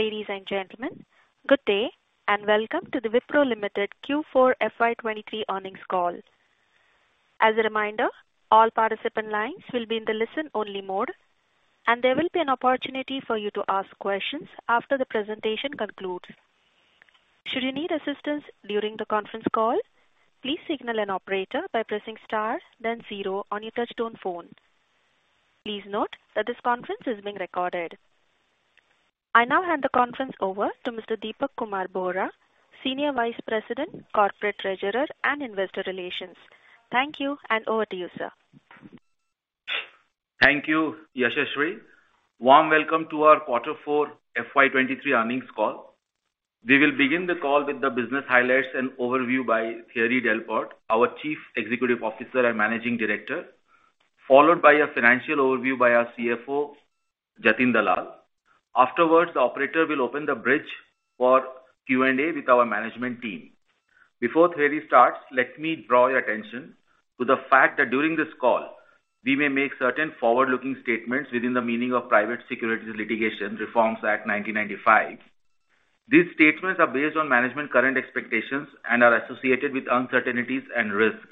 Ladies and gentlemen, good day, and welcome to the Wipro Limited Q4 FY 2023 earnings call. As a reminder, all participant lines will be in the listen-only mode. There will be an opportunity for you to ask questions after the presentation concludes. Should you need assistance during the conference call, please signal an operator by pressing star then zero on your touch-tone phone. Please note that this conference is being recorded. I now hand the conference over to Mr. Dipak Kumar Bohra, Senior Vice President, Corporate Treasurer, and Investor Relations. Thank you, and over to you, sir. Thank you, Yashashri. Warm welcome to our Q4 FY 2023 earnings call. We will begin the call with the business highlights and overview by Thierry Delaporte, our Chief Executive Officer and Managing Director, followed by a financial overview by our CFO, Jatin Dalal. Afterwards, the operator will open the bridge for Q&A with our management team. Before Thierry starts, let me draw your attention to the fact that during this call, we may make certain forward-looking statements within the meaning of Private Securities Litigation Reform Act of 1995. These statements are based on management current expectations and are associated with uncertainties and risks,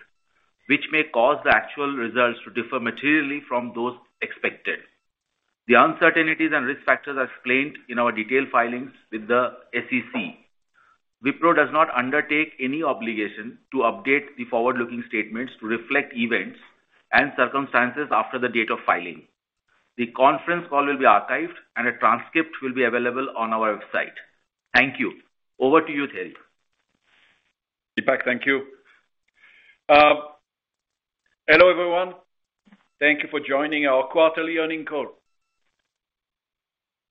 which may cause the actual results to differ materially from those expected. The uncertainties and risk factors are explained in our detailed filings with the SEC. Wipro does not undertake any obligation to update the forward-looking statements to reflect events and circumstances after the date of filing. The conference call will be archived and a transcript will be available on our website. Thank you. Over to you, Thierry. Dipak, thank you. Hello, everyone. Thank you for joining our quarterly earning call.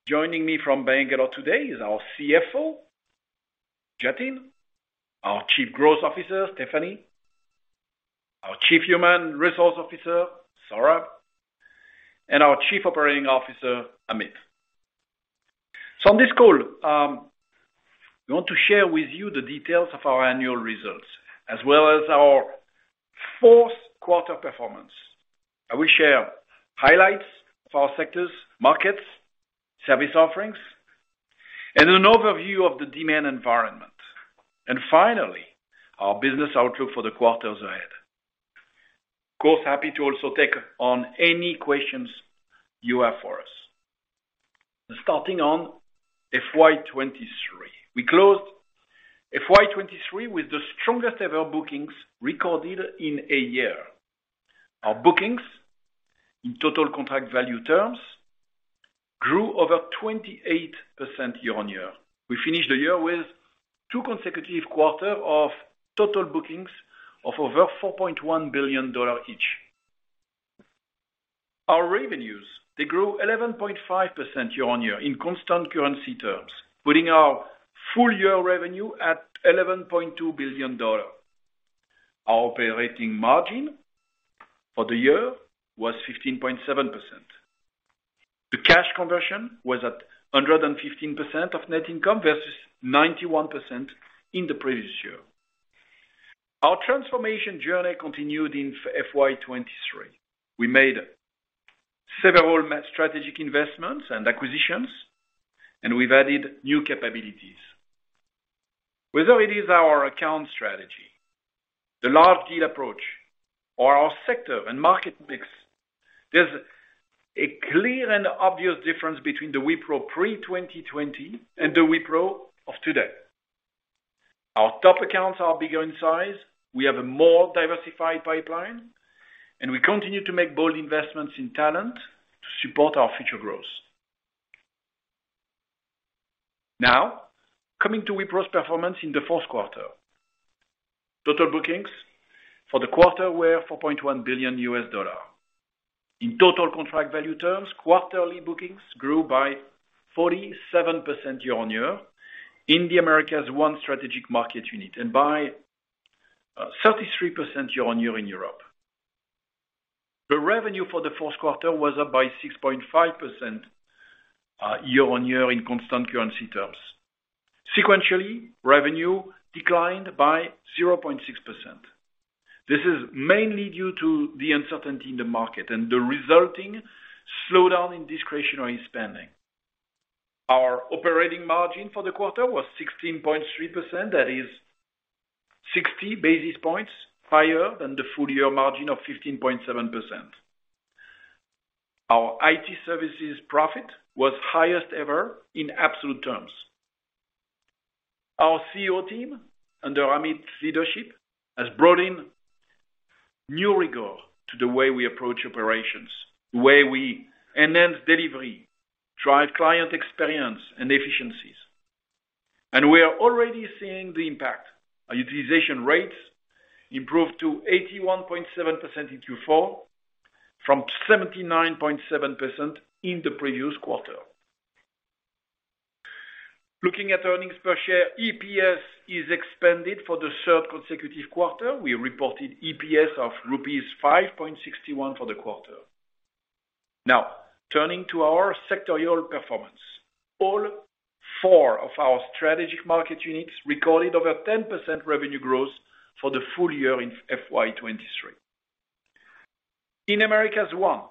Joining me from Bangalore today is our CFO, Jatin Dalal, our Chief Growth Officer, Stephanie Trautman, our Chief Human Resource Officer, Saurabh Govil, and our Chief Operating Officer, Amit Choudhary. On this call, we want to share with you the details of our annual results, as well as our fourth quarter performance. I will share highlights of our sectors, markets, service offerings, and an overview of the demand environment. Finally, our business outlook for the quarters ahead. Of course, happy to also take on any questions you have for us. Starting on FY 2023. We closed FY 2023 with the strongest ever bookings recorded in a year. Our bookings in total contract value terms grew over 28% year-on-year. We finished the year with two consecutive quarter of total bookings of over $4.1 billion each. Our revenues, they grew 11.5% year-on-year in constant currency terms, putting our full year revenue at $11.2 billion. Our operating margin for the year was 15.7%. The cash conversion was at 115% of net income versus 91% in the previous year. Our transformation journey continued in FY 2023. We made several strategic investments and acquisitions, and we've added new capabilities. Whether it is our account strategy, the large deal approach, or our sector and market mix, there's a clear and obvious difference between the Wipro pre-2020 and the Wipro of today. Our top accounts are bigger in size, we have a more diversified pipeline, and we continue to make bold investments in talent to support our future growth. Now, coming to Wipro's performance in the fourth quarter. Total bookings for the quarter were $4.1 billion. In total contract value terms, quarterly bookings grew by 47% year-on-year in the Americas 1 strategic market unit, and by 33% year-on-year in Europe. The revenue for the fourth quarter was up by 6.5% year-on-year in constant currency terms. Sequentially, revenue declined by 0.6%. This is mainly due to the uncertainty in the market and the resulting slowdown in discretionary spending. Our operating margin for the quarter was 16.3%, that is 60 basis points higher than the full year margin of 15.7%. Our IT Services profit was highest ever in absolute terms. Our CO team, under Amit's leadership, has brought in new rigor to the way we approach operations, the way we enhance delivery, drive client experience and efficiencies. We are already seeing the impact. Our utilization rates improved to 81.7% in Q4 from 79.7% in the previous quarter. Looking at earnings per share, EPS is expanded for the third consecutive quarter. We reported EPS of rupees 5.61 for the quarter. Now, turning to our sectorial performance. All four of our strategic market units recorded over 10% revenue growth for the full year in FY 2023. In Americas 1,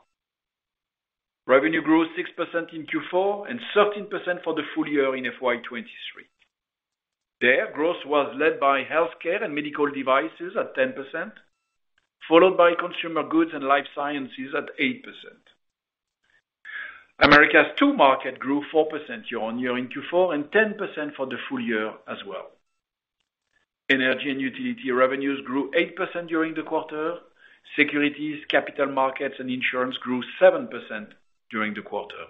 revenue grew 6% in Q4 and 13% for the full year in FY 2023. There, growth was led by healthcare and medical devices at 10%, followed by consumer goods and life sciences at 8%. Americas 2 market grew 4% year-on-year in Q4 and 10% for the full year as well. Energy and utility revenues grew 8% during the quarter. Securities, capital markets, and insurance grew 7% during the quarter.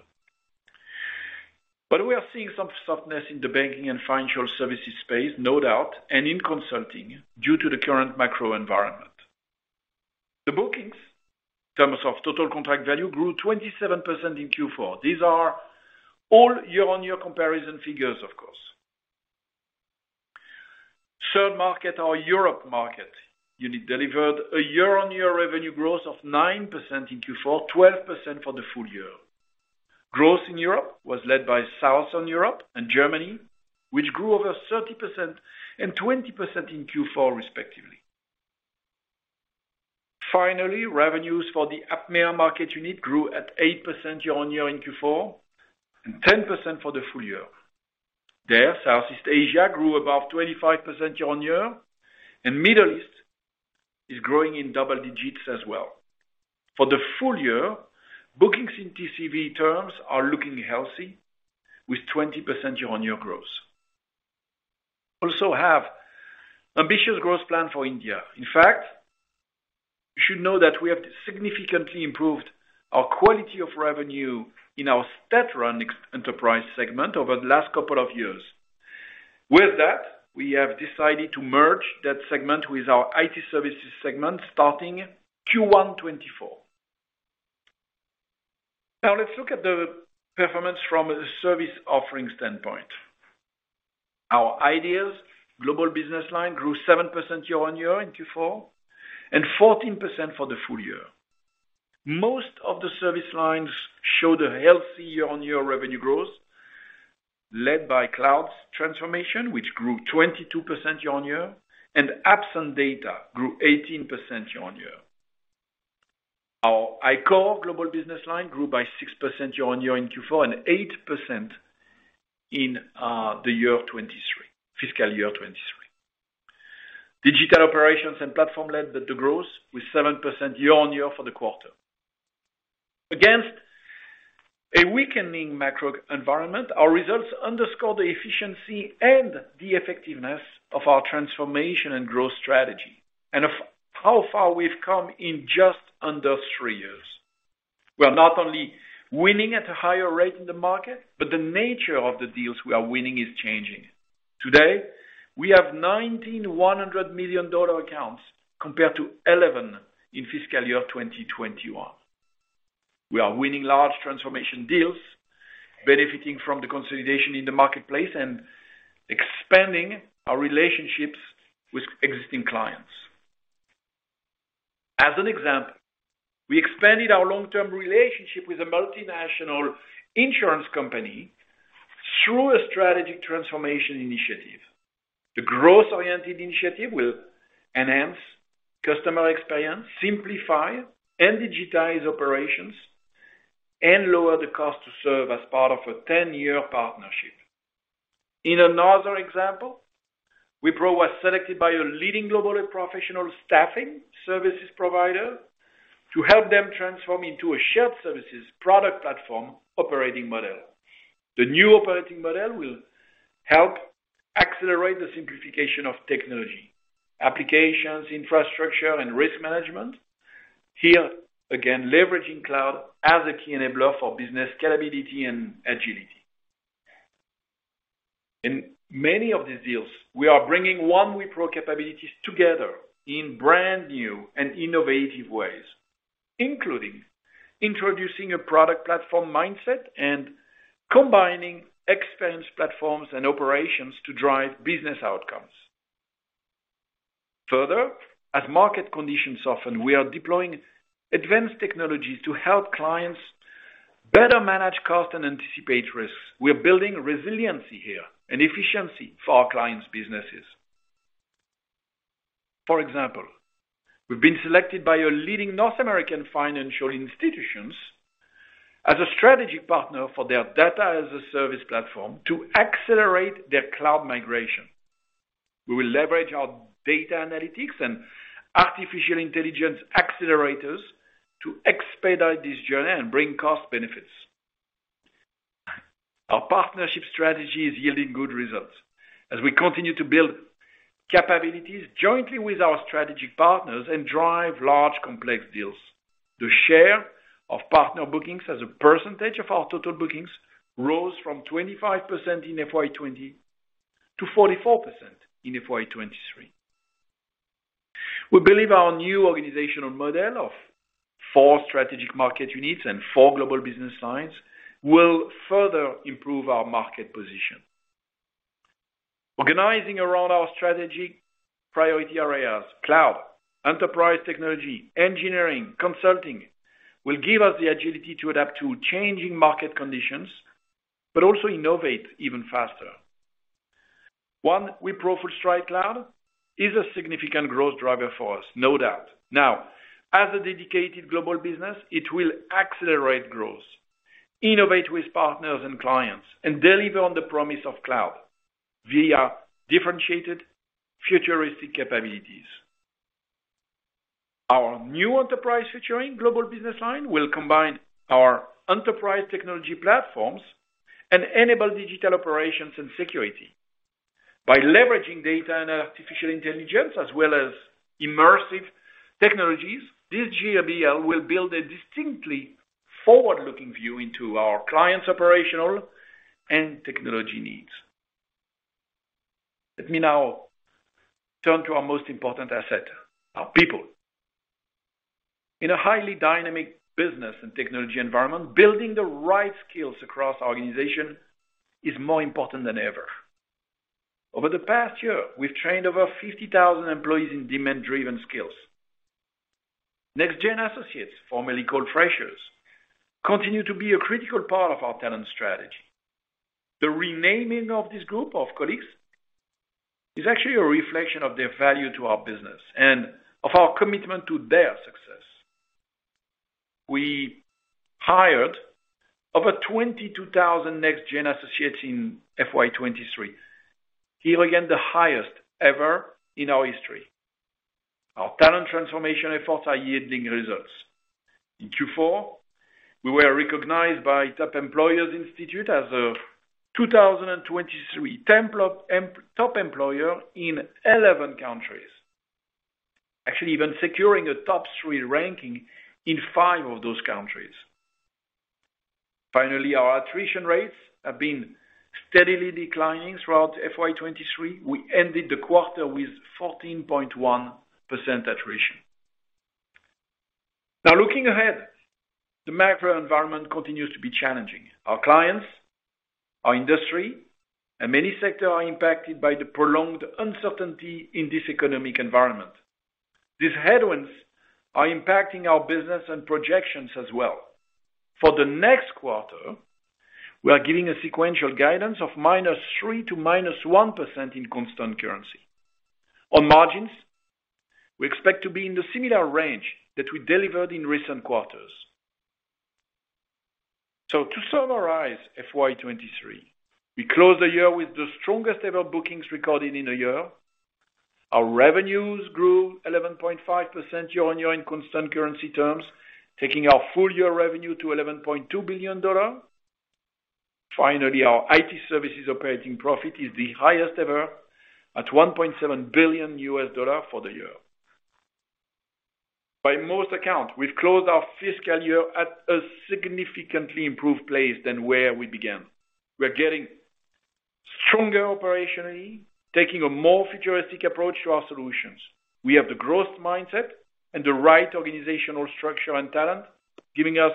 We are seeing some softness in the banking and financial services space, no doubt, and in consulting due to the current macro environment. The bookings in terms of total contract value grew 27% in Q4. These are all year-on-year comparison figures, of course. Third market, our Europe market unit delivered a year-on-year revenue growth of 9% in Q4, 12% for the full year. Growth in Europe was led by Southern Europe and Germany, which grew over 30% and 20% in Q4 respectively. Finally, revenues for the APMEA market unit grew at 8% year-on-year in Q4 and 10% for the full year. There, Southeast Asia grew above 25% year-on-year, and Middle East is growing in double digits as well. For the full year, bookings in TCV terms are looking healthy with 20% year-on-year growth. Also have ambitious growth plan for India. In fact, you should know that we have significantly improved our quality of revenue in our state run ex-enterprise segment over the last couple of years. With that, we have decided to merge that segment with our IT Services segment starting Q1 2024. Now let's look at the performance from a service offering standpoint. Our iDEAS global business line grew 7% year-on-year in Q4 and 14% for the full year. Most of the service lines showed a healthy year-on-year revenue growth led by Cloud Transformation, which grew 22% year-on-year and Apps & Data grew 18% year-on-year. Our iCORE global business line grew by 6% year-on-year in Q4 and 8% in fiscal year FY 2023. Digital Operations and Platform led the growth with 7% year-on-year for the quarter. Against a weakening macro environment, our results underscore the efficiency and the effectiveness of our transformation and growth strategy and of how far we've come in just under three years. We are not only winning at a higher rate in the market, but the nature of the deals we are winning is changing. Today, we have 19 $100 million accounts compared to 11 in fiscal year 2021. We are winning large transformation deals, benefiting from the consolidation in the marketplace, and expanding our relationships with existing clients. As an example, we expanded our long-term relationship with a multinational insurance company through a strategic transformation initiative. The growth-oriented initiative will enhance customer experience, simplify and digitize operations, and lower the cost to serve as part of a 10-year partnership. In another example, Wipro was selected by a leading global and professional staffing services provider to help them transform into a shared services product platform operating model. The new operating model will help accelerate the simplification of technology, applications, infrastructure, and risk management. Here, again, leveraging cloud as a key enabler for business scalability and agility. In many of these deals, we are bringing One Wipro capabilities together in brand new and innovative ways, including introducing a product platform mindset and combining experience platforms and operations to drive business outcomes. As market conditions soften, we are deploying advanced technologies to help clients better manage costs and anticipate risks. We are building resiliency here and efficiency for our clients' businesses. For example, we've been selected by a leading North American financial institutions as a strategic partner for their data-as-a-service platform to accelerate their cloud migration. We will leverage our data analytics and artificial intelligence accelerators to expedite this journey and bring cost benefits. Our partnership strategy is yielding good results as we continue to build capabilities jointly with our strategic partners and drive large, complex deals. The share of partner bookings as a percentage of our total bookings rose from 25% in FY 2020 to 44% in FY 2023. We believe our new organizational model of four strategic market units and four global business lines will further improve our market position. Organizing around our strategic priority areas, cloud, enterprise technology, engineering, consulting, will give us the agility to adapt to changing market conditions but also innovate even faster. Wipro FullStride Cloud is a significant growth driver for us, no doubt. Now, as a dedicated global business, it will accelerate growth, innovate with partners and clients, and deliver on the promise of cloud via differentiated futuristic capabilities. Our new enterprise featuring global business line will combine our enterprise technology platforms and enable digital operations and security. By leveraging data and artificial intelligence as well as immersive technologies, this GBL will build a distinctly forward-looking view into our clients' operational and technology needs. Let me now turn to our most important asset, our people. In a highly dynamic business and technology environment, building the right skills across our organization is more important than ever. Over the past year, we've trained over 50,000 employees in demand-driven skills. Next-Gen Associates, formerly called freshers, continue to be a critical part of our talent strategy. The renaming of this group of colleagues is actually a reflection of their value to our business and of our commitment to their success. We hired over 22,000 Next-Gen Associates in FY 2023, here again, the highest ever in our history. Our talent transformation efforts are yielding results. In Q4, we were recognized by Top Employers Institute as a 2023 Top Employer in 11 countries, actually even securing a top three ranking in five of those countries. Finally, our attrition rates have been steadily declining throughout FY 2023. We ended the quarter with 14.1% attrition. Now looking ahead, the macro environment continues to be challenging. Our clients, our industry, and many sector are impacted by the prolonged uncertainty in this economic environment. These headwinds are impacting our business and projections as well. For the next quarter, we are giving a sequential guidance of -3% to -1% in constant currency. On margins, we expect to be in the similar range that we delivered in recent quarters. To summarize FY 2023, we closed the year with the strongest ever bookings recorded in a year. Our revenues grew 11.5% year-on-year in constant currency terms, taking our full-year revenue to $11.2 billion. Finally, our IT Services operating profit is the highest ever at $1.7 billion for the year. By most accounts, we've closed our fiscal year at a significantly improved place than where we began. We're getting stronger operationally, taking a more futuristic approach to our solutions. We have the growth mindset and the right organizational structure and talent, giving us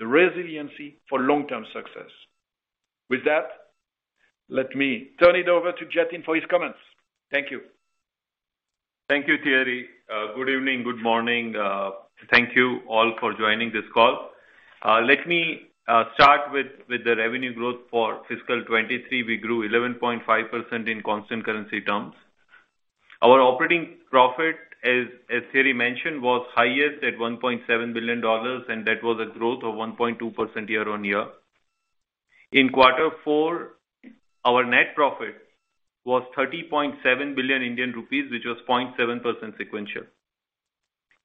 the resiliency for long-term success. With that, let me turn it over to Jatin for his comments. Thank you. Thank you, Thierry. Good evening, good morning. Thank you all for joining this call. Let me start with the revenue growth for fiscal 2023. We grew 11.5% in constant currency terms. Our operating profit as Thierry mentioned, was highest at $1.7 billion, and that was a growth of 1.2% year-on-year. In quarter four, our net profit was 30.7 billion Indian rupees, which was 0.7% sequential.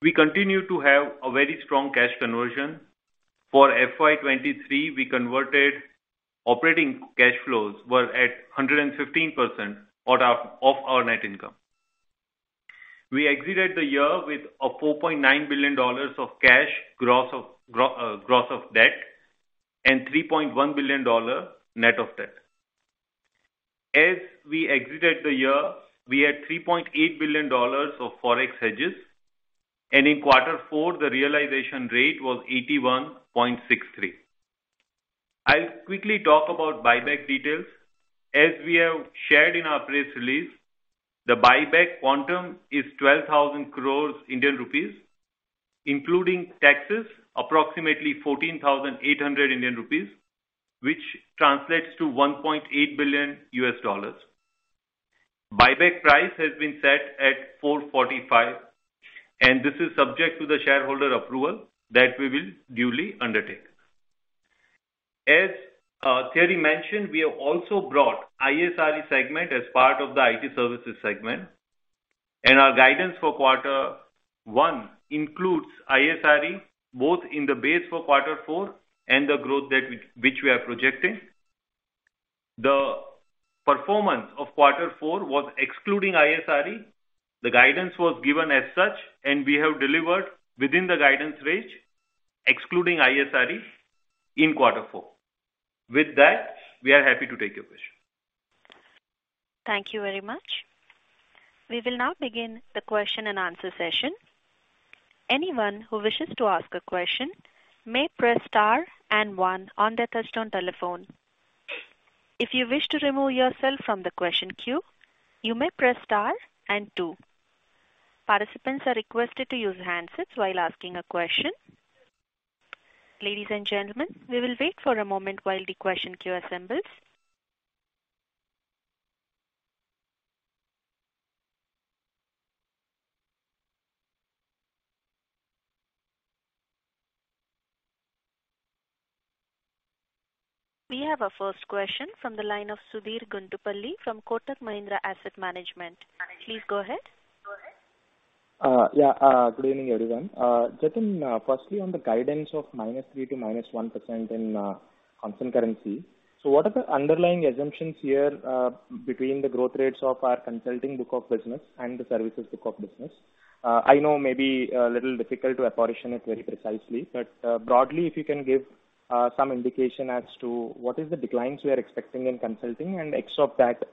We continue to have a very strong cash conversion. For FY 2023, we converted operating cash flows were at 115% off our net income. We exited the year with $4.9 billion of cash gross of gross of debt and $3.1 billion net of debt. We exited the year, we had $3.8 billion of forex hedges, in quarter four, the realization rate was 81.63%. I'll quickly talk about buyback details. We have shared in our press release, the buyback quantum is 12,000 crores Indian rupees, including taxes, approximately 14,800 crores Indian rupees, which translates to $1.8 billion. Buyback price has been set at 445 per share, this is subject to the shareholder approval that we will duly undertake. Thierry mentioned, we have also brought ISRE segment as part of the IT Services segment, our guidance for quarter one includes ISRE both in the base for quarter four and the growth which we are projecting. The performance of quarter four was excluding ISRE. The guidance was given as such, and we have delivered within the guidance range, excluding ISRE in quarter four. With that, we are happy to take your questions. Thank you very much. We will now begin the question-and-answer session. Anyone who wishes to ask a question may press star and one on their touch-tone telephone. If you wish to remove yourself from the question queue, you may press star and two. Participants are requested to use handsets while asking a question. Ladies and gentlemen, we will wait for a moment while the question queue assembles. We have our first question from the line of Sudheer Guntupalli from Kotak Mahindra Asset Management. Please go ahead. Yeah, good evening, everyone. Jatin, firstly on the guidance of -3% to -1% in constant currency. What are the underlying assumptions here between the growth rates of our Consulting book of business and other services book of business? I know maybe a little difficult to apportion it very precisely, but broadly, if you can give some indication as to what is the declines we are expecting in Consulting and x of that,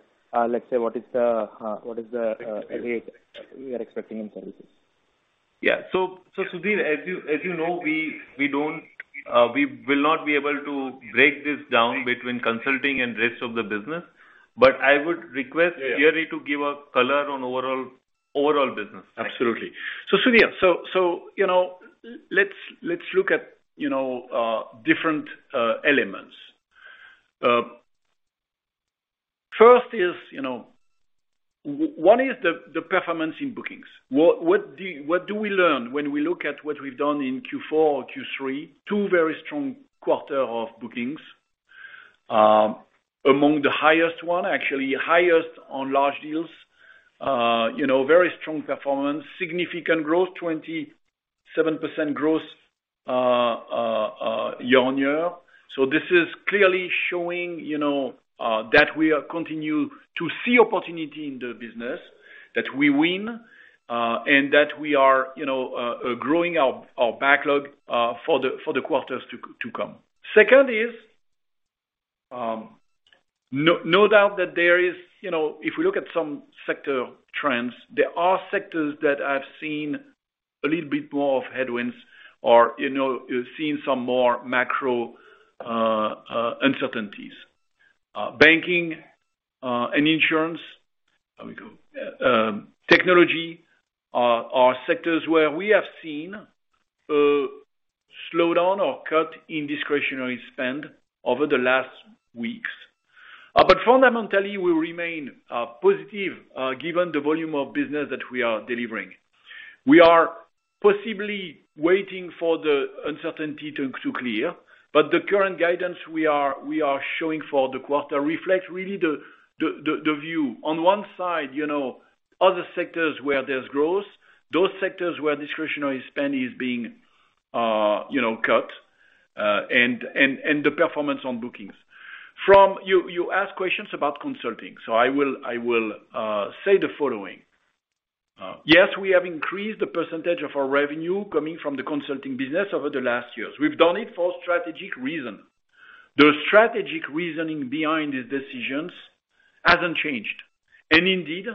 let's say, what is the rate we are expecting in other services? Yeah. Sudheer, as you know, we don't, we will not be able to break this down between Consulting and rest of the business. I would request Thierry to give a color on overall business. Absolutely. Sudheer, let's look at different elements. First is, what is the performance in bookings? What do we learn when we look at what we've done in Q4 or Q3? Two very strong quarter of bookings, among the highest one, actually highest on large deals. Very strong performance, significant growth, 27% growth, year-on-year. This is clearly showing that we continue to see opportunity in the business, that we win, and that we are growing our backlog for the quarters to come. Second is, no doubt that there is, you know, if we look at some sector trends, there are sectors that have seen a little bit more of headwinds or, you know, seen some more macro uncertainties. Banking and insurance, there we go, technology are sectors where we have seen a slowdown or cut in discretionary spend over the last weeks. Fundamentally, we remain positive given the volume of business that we are delivering. We are possibly waiting for the uncertainty to clear, but the current guidance we are showing for the quarter reflects really the view. On one side, you know, other sectors where there's growth, those sectors where discretionary spend is being, you know, cut, and the performance on bookings. You asked questions about Consulting, I will say the following. Yes, we have increased the percentage of our revenue coming from the Consulting business over the last years. We've done it for strategic reason. The strategic reasoning behind these decisions hasn't changed. Indeed,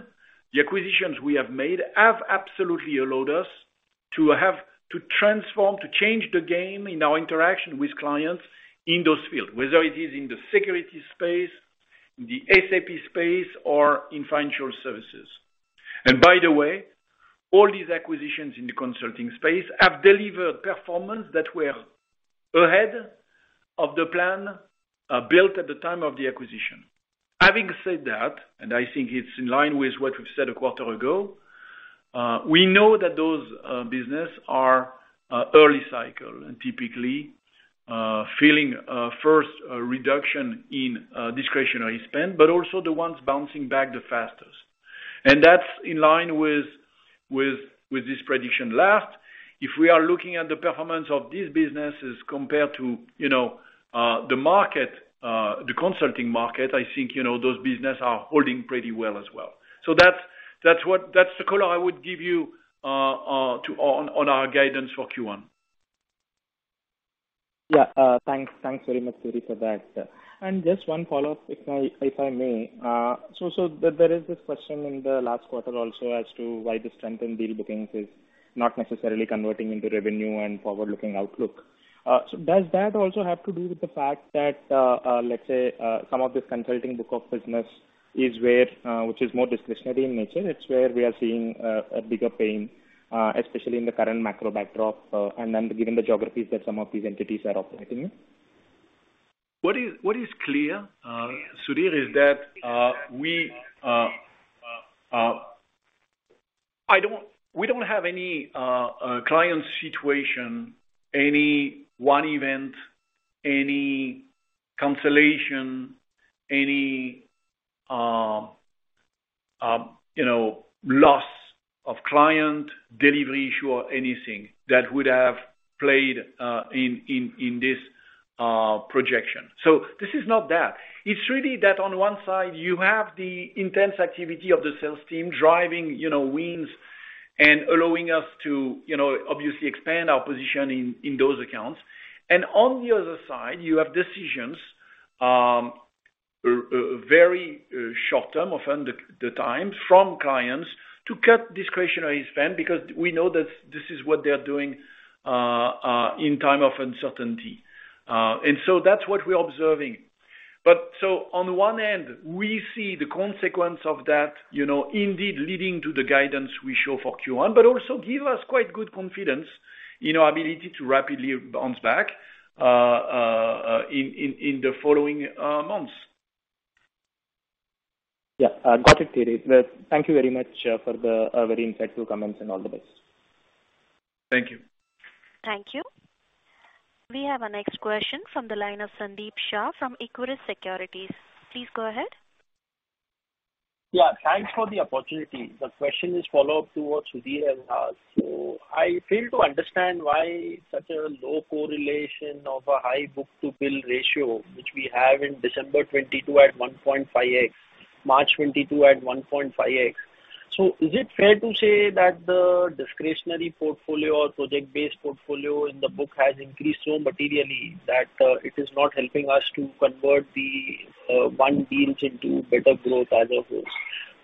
the acquisitions we have made have absolutely allowed us to transform, to change the game in our interaction with clients in those fields, whether it is in the security space, in the SAP space, or in financial services. By the way, all these acquisitions in the consulting space have delivered performance that were ahead of the plan, built at the time of the acquisition. Having said that, I think it's in line with what we've said a quarter ago, we know that those business are early cycle and typically feeling first reduction in discretionary spend, but also the ones bouncing back the fastest. That's in line with this prediction last. If we are looking at the performance of these businesses compared to, you know, the market, the consulting market, I think, you know, those business are holding pretty well as well. That's the color I would give you on our guidance for Q1. Yeah. Thanks very much, Thierry, for that. Just one follow-up, if I may. There is this question in the last quarter also as to why the strength in deal bookings is not necessarily converting into revenue and forward-looking outlook. Does that also have to do with the fact that, let's say, some of this Consulting book of business is where, which is more discretionary in nature, it's where we are seeing a bigger pain, especially in the current macro backdrop, and then given the geographies that some of these entities are operating in? What is clear, Sudheer, is that we don't have any client situation, any one event, any cancellation, any, you know, loss of client, delivery issue or anything that would have played in this projection. This is not that. It's really that on one side, you have the intense activity of the sales team driving, you know, wins and allowing us to, you know, obviously expand our position in those accounts. On the other side, you have decisions, very short term often the times from clients to cut discretionary spend, because we know that this is what they're doing in time of uncertainty. That's what we're observing. On one end, we see the consequence of that, you know, indeed leading to the guidance we show for Q1, but also give us quite good confidence in our ability to rapidly bounce back in the following months. Yeah. Got it, Thierry. Thank you very much, for the very insightful comments and all the best. Thank you. Thank you. We have our next question from the line of Sandeep Shah from Equirus Securities. Please go ahead. Thanks for the opportunity. The question is follow-up to what Sudheer has asked. I fail to understand why such a low correlation of a high book-to-bill ratio, which we have in December 2022 at 1.5x, March 2022 at 1.5x. Is it fair to say that the discretionary portfolio or project-based portfolio in the book has increased so materially that it is not helping us to convert the won deals into better growth as a whole?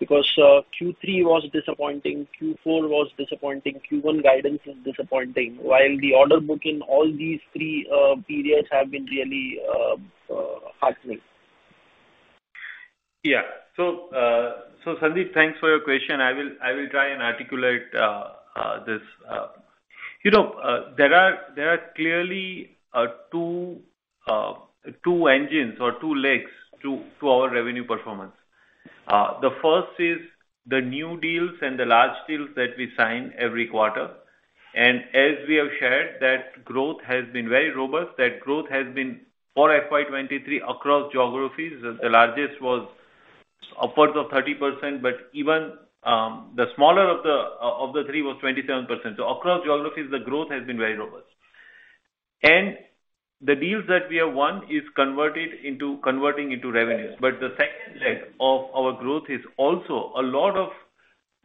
Q3 was disappointing, Q4 was disappointing, Q1 guidance is disappointing. While the order book in all these three periods have been really heartening. Yeah. Sandeep, thanks for your question. I will try and articulate this. You know, there are clearly two engines or two legs to our revenue performance. The first is the new deals and the large deals that we sign every quarter. As we have shared, that growth has been very robust. That growth has been for FY 2023 across geographies. The, the largest was upwards of 30%, but even the smaller of the three was 27%. Across geographies the growth has been very robust. The deals that we have won is converting into revenues. The second leg of our growth is also a lot of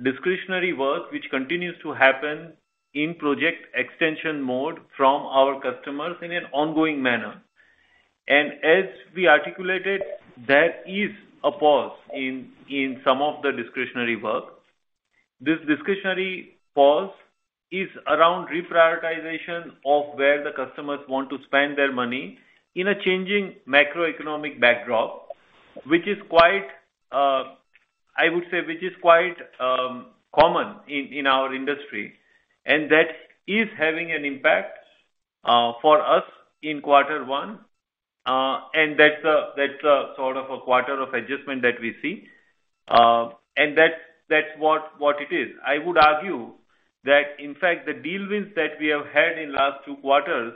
discretionary work which continues to happen in project extension mode from our customers in an ongoing manner. As we articulated, there is a pause in some of the discretionary work. This discretionary pause is around reprioritization of where the customers want to spend their money in a changing macroeconomic backdrop, which is quite, I would say, common in our industry, and that is having an impact for us in quarter one. That's a sort of a quarter of adjustment that we see. That's what it is. I would argue that in fact the deal wins that we have had in last two quarters,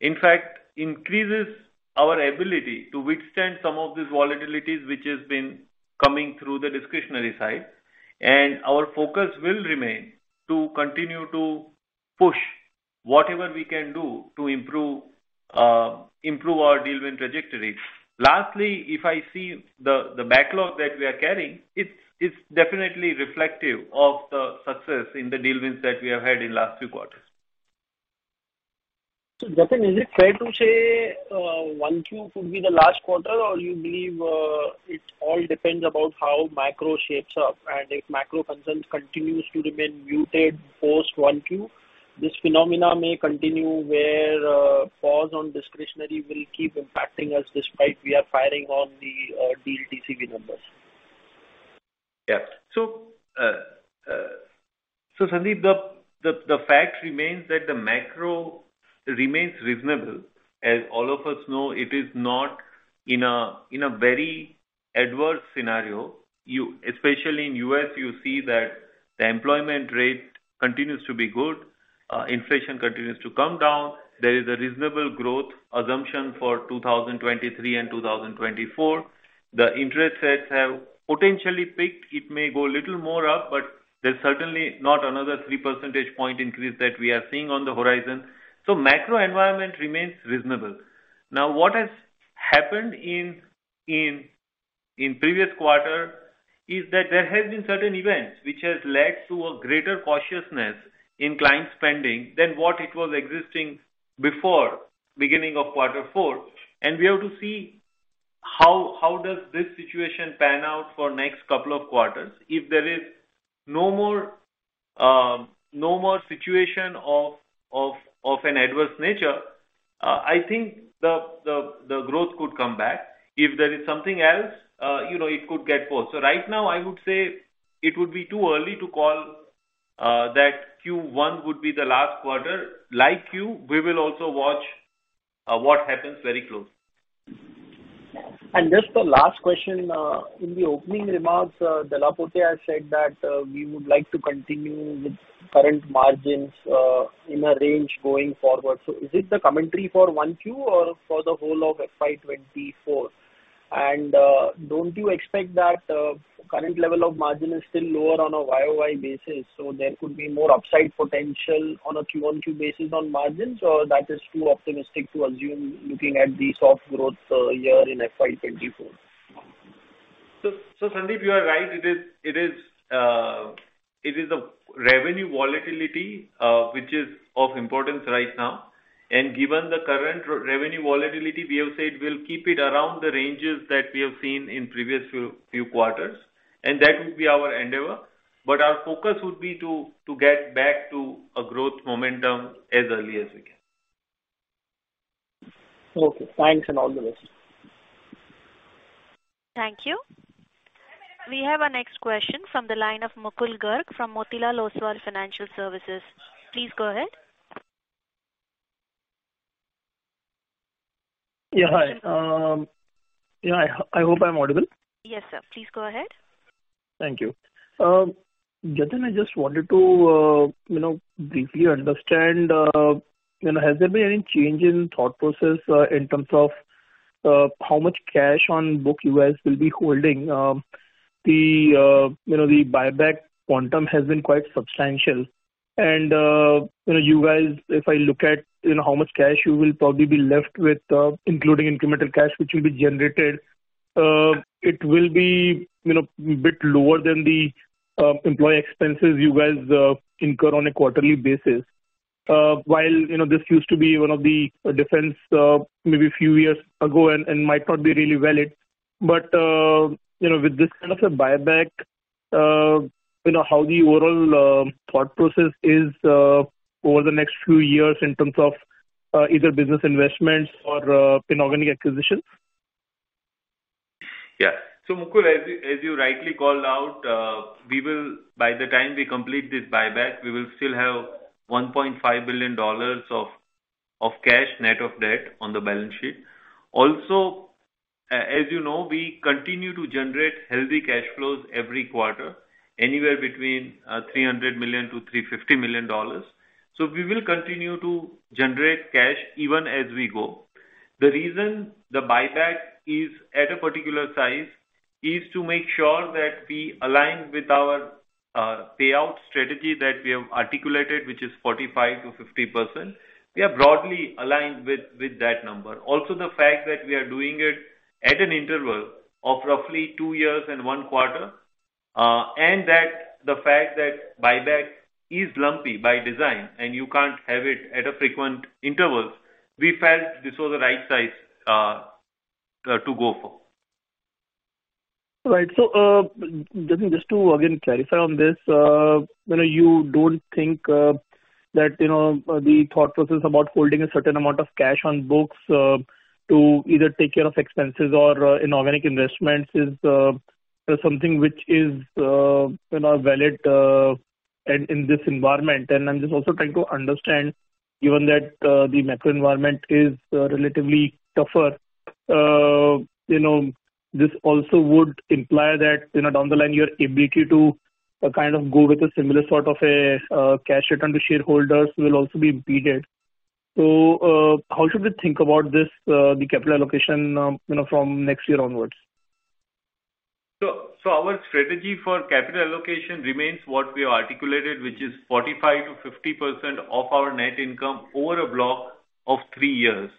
in fact increases our ability to withstand some of these volatilities which has been coming through the discretionary side. Our focus will remain to continue to push whatever we can do to improve our deal win trajectory. Lastly, if I see the backlog that we are carrying, it's definitely reflective of the success in the deal wins that we have had in last few quarters. Jatin, is it fair to say, 1Q could be the last quarter or you believe, it all depends about how macro shapes up and if macro concerns continues to remain muted post 1Q, this phenomena may continue where, pause on discretionary will keep impacting us despite we are firing on the deal TCV numbers? Yeah. Sandeep, the fact remains that the macro remains reasonable. As all of us know, it is not in a very adverse scenario. Especially in U.S., you see that the employment rate continues to be good, inflation continues to come down. There is a reasonable growth assumption for 2023 and 2024. The interest rates have potentially peaked. It may go a little more up, there's certainly not another three percentage point increase that we are seeing on the horizon. Macro environment remains reasonable. Now, what has happened in previous quarter is that there has been certain events which has led to a greater cautiousness in client spending than what it was existing before beginning of quarter four. We have to see how this situation pan out for next couple of quarters. If there is no more situation of an adverse nature, I think the growth could come back. If there is something else, you know, it could get paused. Right now I would say it would be too early to call that Q1 would be the last quarter. Like you, we will also watch what happens very close. Just the last question. In the opening remarks, Delaporte has said that we would like to continue with current margins in a range going forward. Is it the commentary for 1Q or for the whole of FY 2024? Don't you expect that current level of margin is still lower on a YoY basis, so there could be more upside potential on a QoQ basis on margins, or that is too optimistic to assume looking at the soft growth year in FY 2024? Sandeep you are right. It is the revenue volatility which is of importance right now. Given the current revenue volatility, we have said we'll keep it around the ranges that we have seen in previous few quarters, and that will be our endeavor. Our focus would be to get back to a growth momentum as early as we can. Okay. Thanks and all the best. Thank you. We have our next question from the line of Mukul Garg from Motilal Oswal Financial Services. Please go ahead. Yeah, hi. Yeah, I hope I'm audible. Yes, sir. Please go ahead. Thank you. Jatin, I just wanted to, you know, briefly understand, you know, has there been any change in thought process, in terms of, how much cash on book you guys will be holding? The, you know, the buyback quantum has been quite substantial and, you know, you guys, if I look at, you know, how much cash you will probably be left with, including incremental cash which will be generated, it will be, you know, a bit lower than the employee expenses you guys incur on a quarterly basis. While, you know, this used to be one of the defense, maybe a few years ago and might not be really valid, but, you know, with this kind of a buyback, you know, how the overall thought process is over the next few years in terms of either business investments or inorganic acquisitions? Mukul, as you, as you rightly called out, we will by the time we complete this buyback, we will still have $1.5 billion of cash, net of debt on the balance sheet. As you know, we continue to generate healthy cash flows every quarter, anywhere between $300 million-$350 million. We will continue to generate cash even as we go. The reason the buyback is at a particular size is to make sure that we align with our payout strategy that we have articulated, which is 45%-50%. We are broadly aligned with that number. The fact that we are doing it at an interval of roughly two years and one quarter, and that the fact that buyback is lumpy by design and you can't have it at a frequent intervals, we felt this was the right size to go for. Right. Jatin, just to again clarify on this, you know, you don't think that, you know, the thought process about holding a certain amount of cash on books, to either take care of expenses or inorganic investments is something which is, you know, valid in this environment. I'm just also trying to understand, given that the macro environment is relatively tougher, you know, this also would imply that, you know, down the line, your ability to kind of go with a similar sort of a cash return to shareholders will also be impeded. How should we think about this, the capital allocation, you know, from next year onwards? Our strategy for capital allocation remains what we have articulated, which is 45%-50% of our net income over a block of 3 years.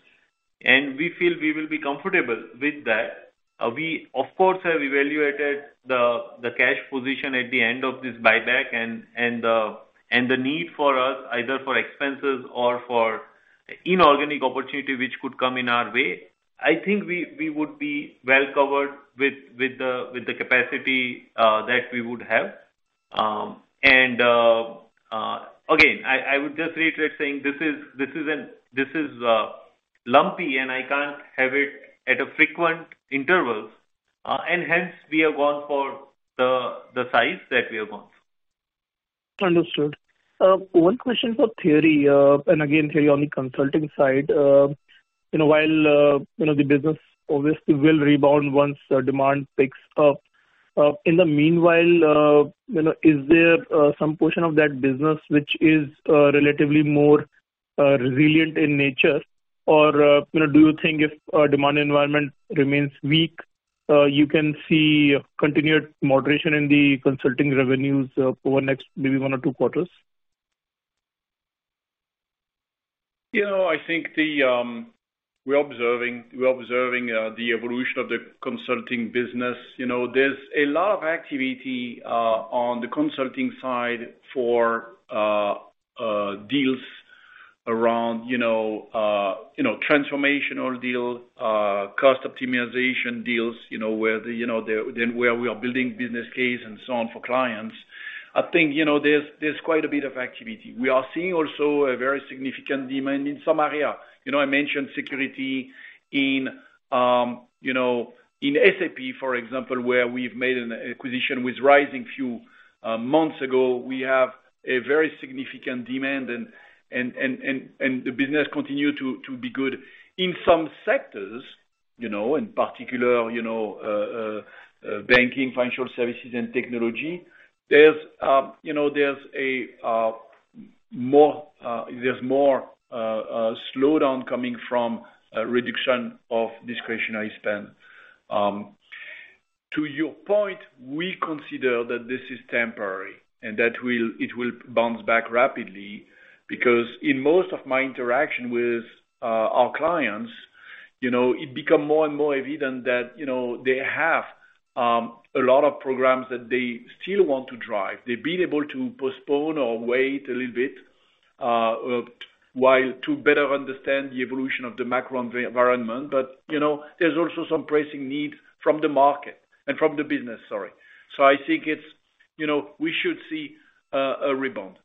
We feel we will be comfortable with that. We of course, have evaluated the cash position at the end of this buyback and the need for us, either for expenses or for inorganic opportunity which could come in our way. I think we would be well covered with the capacity that we would have. Again, I would just reiterate saying this is an lumpy and I can't have it at a frequent intervals. Hence we have gone for the size that we have gone for. Understood. 1 question for Thierry, and again, Thierry, on the Consulting side. You know, while, you know, the business obviously will rebound once demand picks up, in the meanwhile, you know, is there some portion of that business which is relatively more resilient in nature? Or, you know, do you think if demand environment remains weak, you can see continued moderation in the Consulting revenues over the next maybe one or two quarters? You know, I think the, we're observing the evolution of the Consulting business. You know, there's a lot of activity on the Consulting side for deals around transformational deal, cost optimization deals, you know, where the, you know, where we are building business case and so on for clients. I think, you know, there's quite a bit of activity. We are seeing also a very significant demand in some area. You know, I mentioned security in, you know, in SAP, for example, where we've made an acquisition with Rizing few months ago. We have a very significant demand and the business continue to be good. In some sectors, you know, in particular, you know, banking, financial services and technology. There's, you know, there's a more, there's more slowdown coming from a reduction of discretionary spend. To your point, we consider that this is temporary and it will bounce back rapidly because in most of my interaction with our clients, you know, it become more and more evident that, you know, they have a lot of programs that they still want to drive. They've been able to postpone or wait a little bit while to better understand the evolution of the macro environment, you know, there's also some pressing need from the market and from the business, sorry. I think it's, you know, we should see a rebound.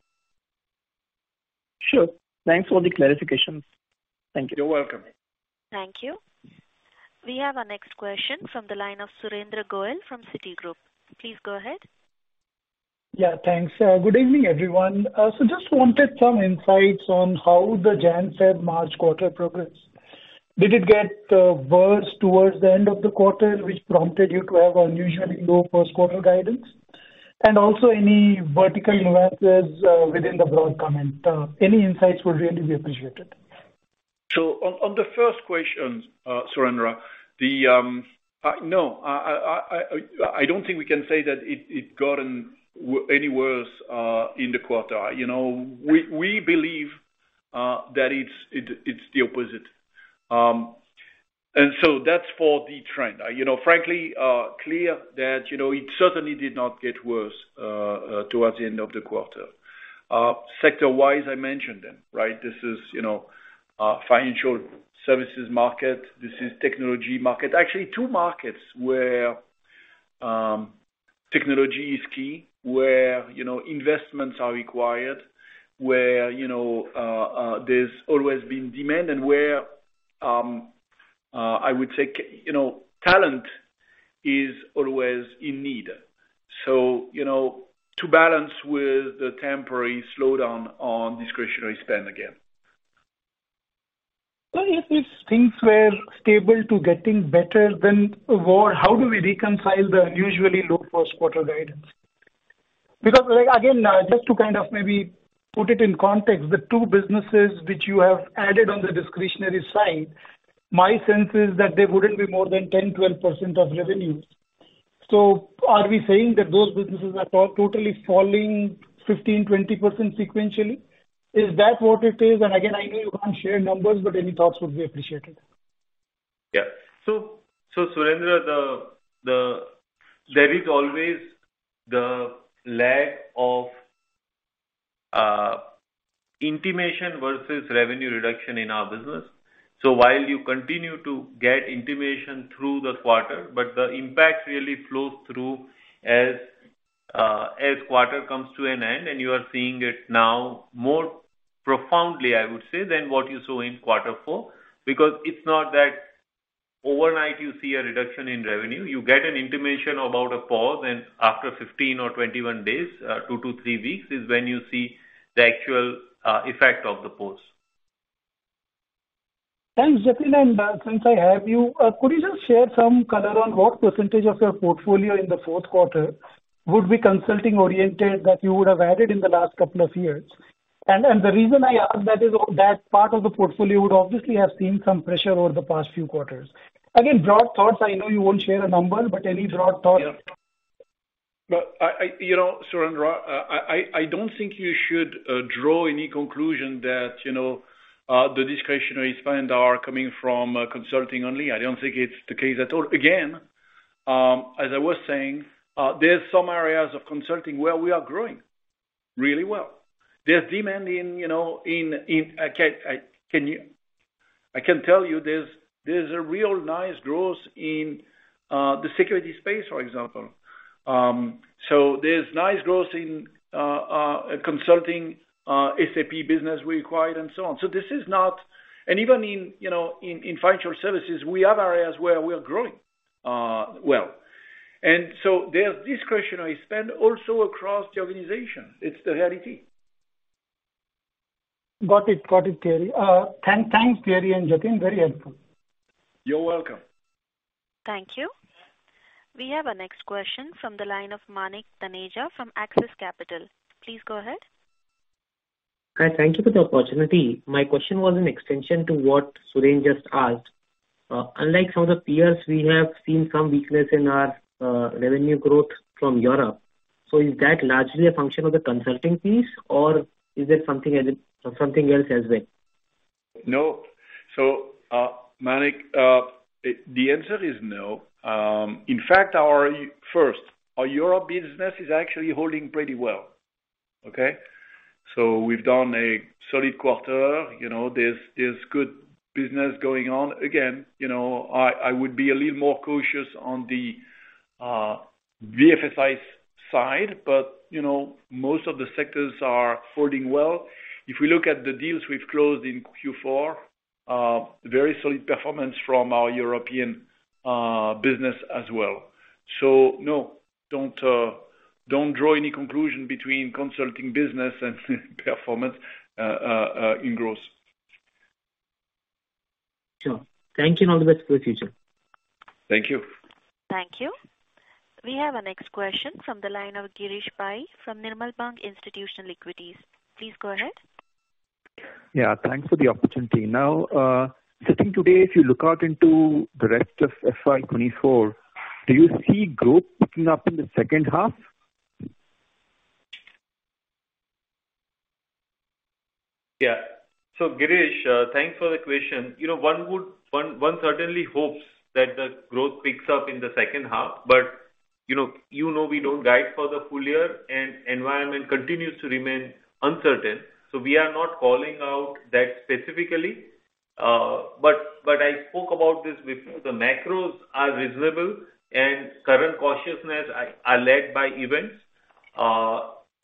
Sure. Thanks for the clarification. Thank you. You're welcome. Thank you. We have our next question from the line of Surendra Goyal from Citigroup. Please go ahead. Yeah, thanks. Good evening, everyone. Just wanted some insights on how the January, February, March quarter progressed. Did it get worse towards the end of the quarter, which prompted you to have unusually low first quarter guidance? Any vertical nuances within the broad comment. Any insights would really be appreciated. On the first question, Surendra, no. I don't think we can say that it's gotten any worse in the quarter. You know, we believe that it's the opposite. That's for the trend. You know, frankly, clear that, you know, it certainly did not get worse towards the end of the quarter. Sector-wise, I mentioned them, right? This is, you know, financial services market. This is technology market. Actually two markets where technology is key, where, you know, investments are required, where, you know, there's always been demand, and where I would say, you know, talent is always in need. You know, to balance with the temporary slowdown on discretionary spend again. If things were stable to getting better, then what? How do we reconcile the unusually low first quarter guidance? Like, again, just to kind of maybe put it in context, the two businesses which you have added on the discretionary side, my sense is that they wouldn't be more than 10%-12% of revenues. Are we saying that those businesses are totally falling 15%-20% sequentially? Is that what it is? Again, I know you can't share numbers, but any thoughts would be appreciated. Yeah. Surendra, there is always the lag of intimation versus revenue reduction in our business. While you continue to get intimation through the quarter, but the impact really flows through as quarter comes to an end, and you are seeing it now more profoundly, I would say, than what you saw in quarter four. It's not that overnight you see a reduction in revenue. You get an intimation about a pause and after 15 or 21 days, two to three weeks is when you see the actual effect of the pause. Thanks, Jatin. Since I have you, could you just share some color on what percentage of your portfolio in the fourth quarter would be consulting-oriented that you would have added in the last couple of years? The reason I ask that is that part of the portfolio would obviously have seen some pressure over the past few quarters. Broad thoughts. I know you won't share a number, but any broad thoughts. You know, Surendra, I don't think you should draw any conclusion that, you know, the discretionary spend are coming from consulting only. I don't think it's the case at all. Again, as I was saying, there are some areas of consulting where we are growing really well. There's demand in, you know, I can tell you there's a real nice growth in the security space, for example. There's nice growth in Consulting business, SAP business we acquired and so on. Even in, you know, financial services, we have areas where we are growing well. There's discretionary spend also across the organization. It's the reality. Got it. Got it, Thierry. Thanks, Thierry and Jatin. Very helpful. You're welcome. Thank you. We have our next question from the line of Manik Taneja from Axis Capital. Please go ahead. Hi. Thank you for the opportunity. My question was an extension to what Surendra asked. Unlike some of the peers, we have seen some weakness in our revenue growth from Europe. Is that largely a function of the consulting piece or is there something else as well? No. Manik, the answer is no. In fact, our European business is actually holding pretty well. Okay? We've done a solid quarter. You know, there's good business going on. Again, you know, I would be a little more cautious on the BFSI side, but, you know, most of the sectors are holding well. If we look at the deals we've closed in Q4, very solid performance from our European business as well. No, don't draw any conclusion between Consulting business and performance in growth. Sure. Thank you, and all the best for the future. Thank you. Thank you. We have our next question from the line of Girish Pai from Nirmal Bang Institutional Equities. Please go ahead. Yeah, thanks for the opportunity. Sitting today, if you look out into the rest of FY 2024, do you see growth picking up in the second half? Yeah. Girish, thanks for the question. You know, one certainly hopes that the growth picks up in the second half. You know, we don't guide for the full year. Environment continues to remain uncertain. We are not calling out that specifically. I spoke about this before. The macros are reasonable. Current cautiousness are led by events.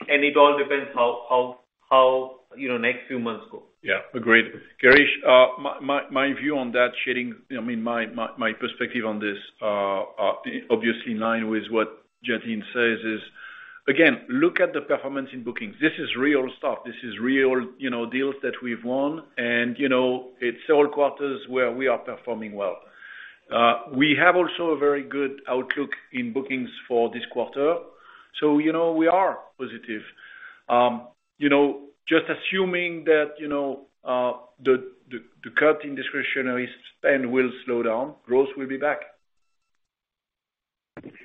It all depends how, you know, next few months go. Yeah, agreed. Girish, my view on that sharing, I mean, my perspective on this, obviously in line with what Jatin says is, again, look at the performance in bookings. This is real stuff. This is real, you know, deals that we've won and, you know, it's all quarters where we are performing well. We have also a very good outlook in bookings for this quarter. You know, we are positive. You know, just assuming that, you know, the cut in discretionary spend will slow down, growth will be back.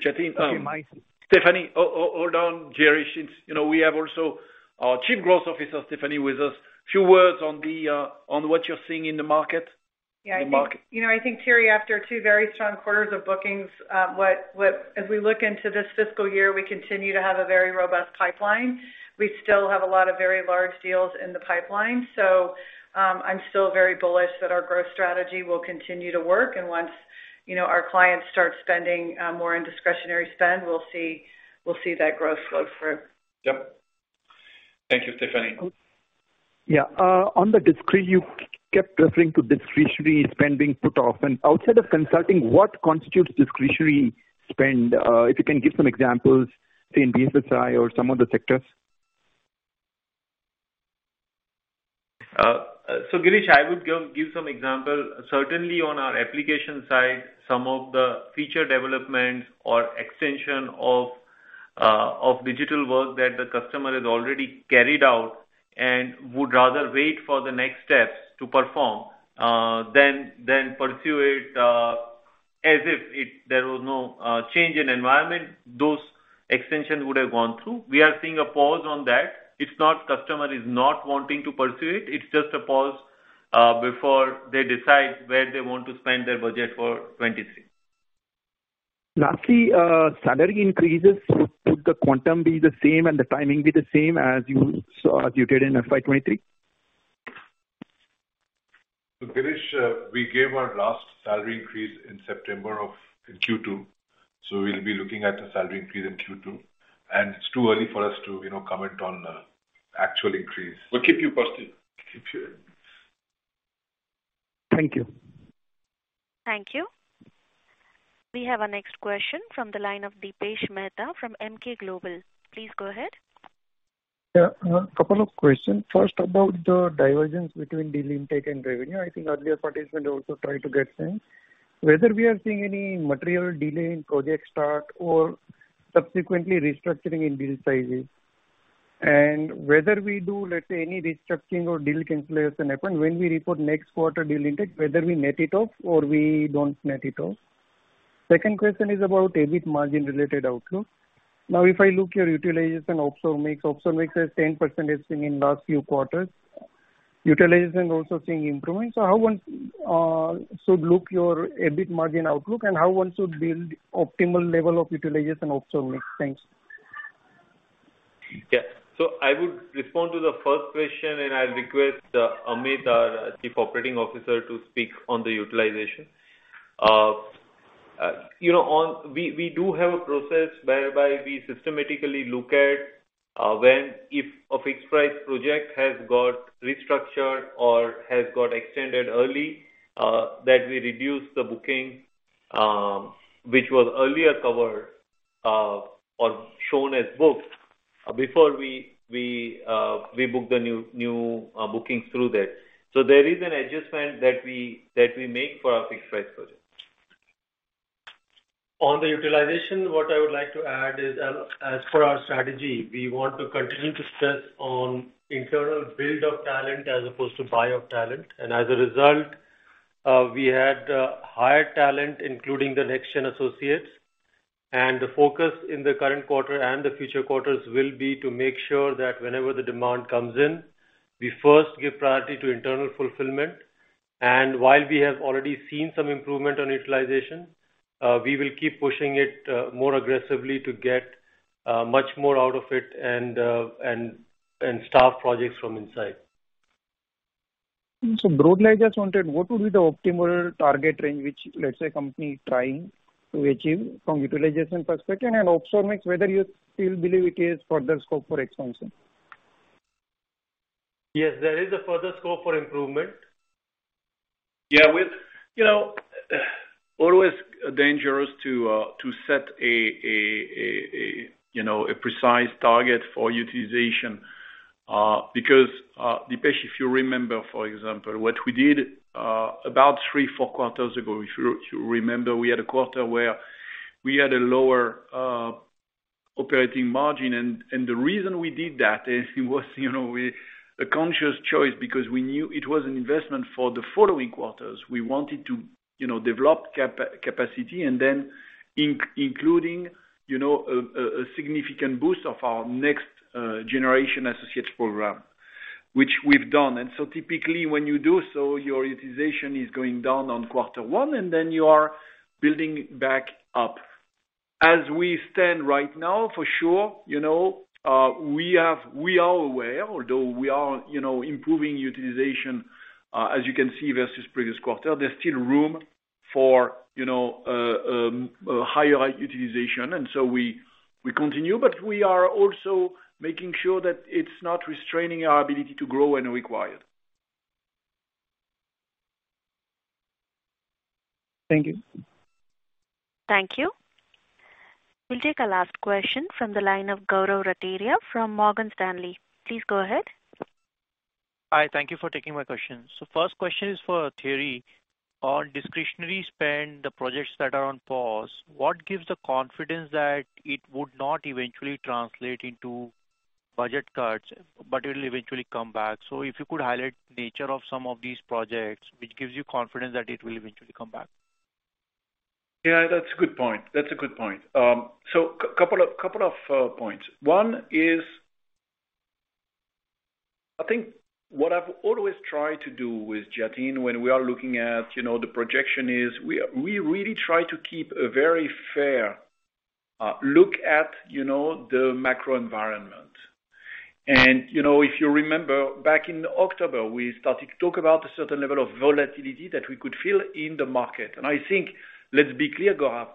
Jatin? Stephanie might... Stephanie? Hold on, Girish. It's, you know, we have also our Chief Growth Officer, Stephanie, with us. Few words on what you're seeing in the market. Yeah, I think, you know, I think, Thierry, after two very strong quarters of bookings, as we look into this fiscal year, we continue to have a very robust pipeline. We still have a lot of very large deals in the pipeline. I'm still very bullish that our growth strategy will continue to work, and once, you know, our clients start spending more in discretionary spend, we'll see that growth flow through. Yep. Thank you, Stephanie. Yeah. On the discrete, you kept referring to discretionary spend being put off. Outside of Consulting business, what constitutes discretionary spend? If you can give some examples, say, in BFSI or some other sectors. Girish, I would give some example. Certainly on our application side, some of the feature developments or extension of digital work that the customer has already carried out and would rather wait for the next steps to perform than pursue it as if there was no change in environment those extensions would have gone through. We are seeing a pause on that. It's not customer is not wanting to pursue it. It's just a pause before they decide where they want to spend their budget for 2023. Lastly, salary increases. Would the quantum be the same and the timing be the same as you did in FY 2023? Girish, we gave our last salary increase in September of Q2. We'll be looking at a salary increase in Q2. It's too early for us to, you know, comment on actual increase. We'll keep you posted. Keep you posted. Thank you. Thank you. We have our next question from the line of Dipesh Mehta from Emkay Global. Please go ahead. A couple of questions. First, about the divergence between deal intake and revenue. I think earlier participant also tried to get sense. Whether we are seeing any material delay in project start or subsequently restructuring in deal sizes. Whether we do, let's say, any restructuring or deal cancellations happen when we report next quarter deal intake, whether we net it off or we don't net it off. Second question is about EBIT margin-related outlook. If I look your utilization offshore mix, offshore mix has 10% seen in last few quarters. Utilization also seeing improvement. How one should look your EBIT margin outlook and how one should build optimal level of utilization offshore mix? Thanks. Yeah. I would respond to the first question and I'll request Amit, our Chief Operating Officer, to speak on the utilization. You know, we do have a process whereby we systematically look at when if a fixed price project has got restructured or has got extended early, that we reduce the booking, which was earlier covered or shown as booked before we book the new bookings through that. There is an adjustment that we make for our fixed price projects. On the utilization, what I would like to add is, as per our strategy, we want to continue to stress on internal build of talent as opposed to buy of talent. As a result, we had hired talent including the Next-Gen Associates. The focus in the current quarter and the future quarters will be to make sure that whenever the demand comes in, we first give priority to internal fulfillment. While we have already seen some improvement on utilization, we will keep pushing it more aggressively to get much more out of it and start projects from inside. Broadly I just wanted, what would be the optimal target range which, let's say, company trying to achieve from utilization perspective and offshore mix, whether you still believe it is further scope for expansion? Yes, there is a further scope for improvement. Yeah. With, you know, always dangerous to set a precise target for utilization because Dipesh, if you remember for example what we did about three or four quarters ago. If you remember we had a quarter where we had a lower operating margin and the reason we did that is it was, you know, a conscious choice because we knew it was an investment for the following quarters. We wanted to, you know, develop capacity and then including, you know, a significant boost of our Next-Gen Associates program. Which we've done. Typically, when you do so, your utilization is going down on quarter one, and then you are building back up. As we stand right now, for sure, you know, we are aware, although we are, you know, improving utilization, as you can see versus previous quarter. There's still room for, you know, higher utilization. We continue. We are also making sure that it's not restraining our ability to grow when required. Thank you. Thank you. We'll take a last question from the line of Gaurav Rateria from Morgan Stanley. Please go ahead. Hi. Thank you for taking my question. First question is for Thierry. On discretionary spend, the projects that are on pause, what gives the confidence that it would not eventually translate into budget cuts, but it'll eventually come back? If you could highlight the nature of some of these projects, which gives you confidence that it will eventually come back. Yeah, that's a good point. That's a good point. So a couple of points. One is... I think what I've always tried to do with Jatin when we are looking at, you know, the projection is we really try to keep a very fair look at, you know, the macro environment. You know, if you remember back in October, we started to talk about a certain level of volatility that we could feel in the market. I think, let's be clear, Gaurav,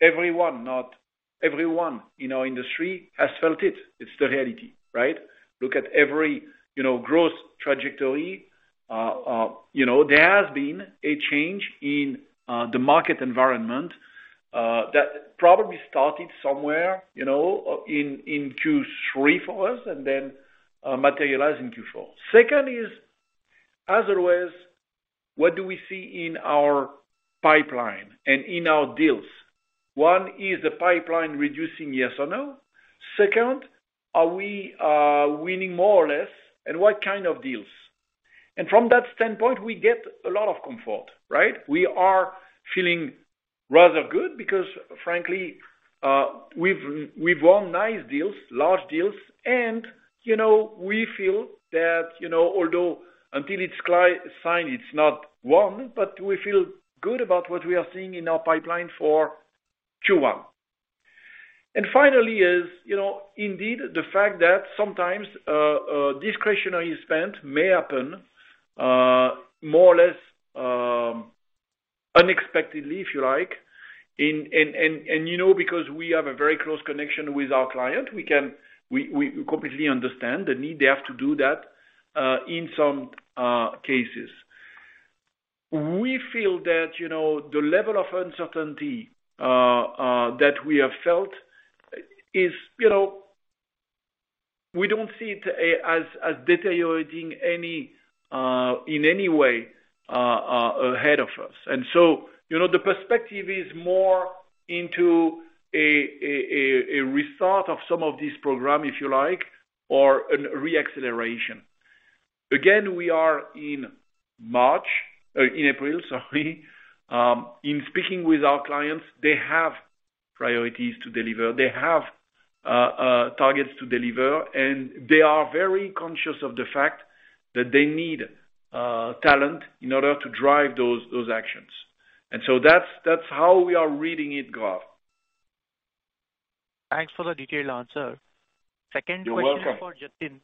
everyone, not everyone in our industry has felt it. It's the reality, right? Look at every, you know, growth trajectory. You know, there has been a change in the market environment that probably started somewhere, you know, in Q3 for us and then materialized in Q4. Second is, as always, what do we see in our pipeline and in our deals? One, is the pipeline reducing yes or no? Second, are we winning more or less, and what kind of deals? From that standpoint, we get a lot of comfort, right? We are feeling rather good because frankly, we've won nice deals, large deals. You know, we feel that, you know, although until it's signed it's not won, but we feel good about what we are seeing in our pipeline for Q1. Finally is, you know, indeed, the fact that sometimes discretionary spend may happen more or less unexpectedly, if you like. You know, because we have a very close connection with our client, we completely understand the need they have to do that in some cases. We feel that, you know, the level of uncertainty that we have felt is, you know, we don't see it as deteriorating any in any way ahead of us. You know, the perspective is more into a restart of some of these program, if you like, or a re-acceleration. Again, we are in March, in April, sorry. In speaking with our clients, they have priorities to deliver, they have targets to deliver, and they are very conscious of the fact that they need talent in order to drive those actions. That's, that's how we are reading it, Gaurav. Thanks for the detailed answer. You're welcome.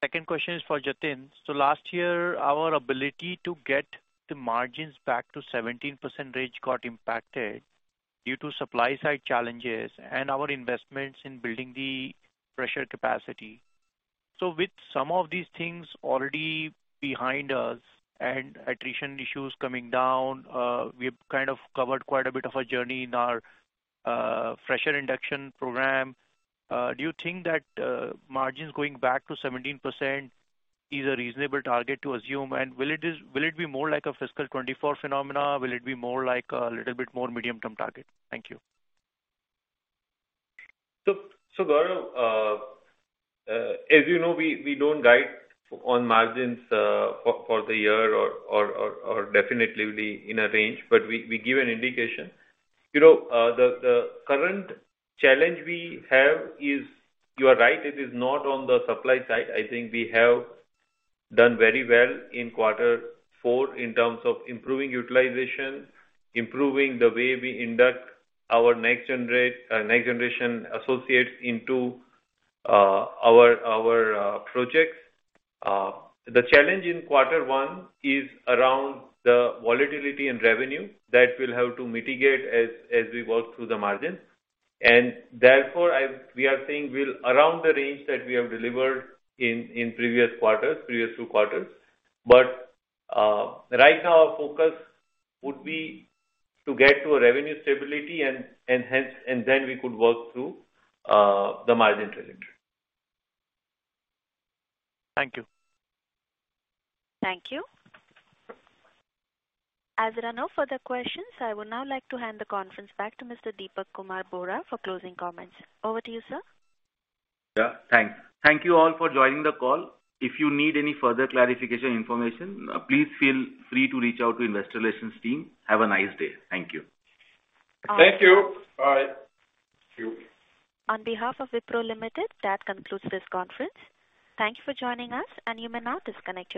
Second question is for Jatin. Last year, our ability to get the margins back to 17% range got impacted due to supply side challenges and our investments in building the fresher capacity. With some of these things already behind us and attrition issues coming down, we've kind of covered quite a bit of a journey in our fresher induction program. Do you think that margins going back to 17% is a reasonable target to assume? Will it be more like a FY 2024 phenomena? Will it be more like a little bit more medium-term target? Thank you. Gaurav, as you know, we don't guide on margins for the year or definitely in a range, but we give an indication. You know, the current challenge we have is you are right, it is not on the supply side. I think we have done very well in quarter four in terms of improving utilization, improving the way we induct our Next-Gen Associates into our projects. The challenge in quarter 1 is around the volatility and revenue that we'll have to mitigate as we work through the margins. Therefore, we are saying we'll around the range that we have delivered in previous quarters, previous two quarters. Right now our focus would be to get to a revenue stability and then we could work through the margin trajectory. Thank you. Thank you. As there are no further questions, I would now like to hand the conference back to Mr. Dipak Kumar Bohra for closing comments. Over to you, sir. Yeah, thanks. Thank you all for joining the call. If you need any further clarification or information, please feel free to reach out to investor relations team. Have a nice day. Thank you. Thank you. Bye. Thank you. On behalf of Wipro Limited, that concludes this conference. Thank you for joining us, and you may now disconnect your lines.